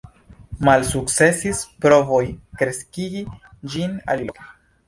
Malsukcesis provoj kreskigi ĝin aliloke.